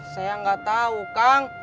saya gak tau kang